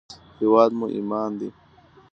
هېواد مو ایمان دی